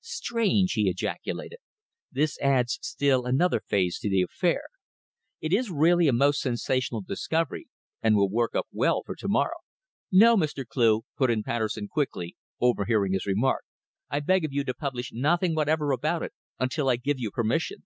"Strange," he ejaculated. "This adds still another phase to the affair. It is really a most sensational discovery, and will work up well for to morrow." "No, Mr. Cleugh," put in Patterson quickly, overhearing his remark, "I beg of you to publish nothing whatever about it until I give you permission.